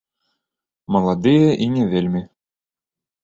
Маладыя і не вельмі.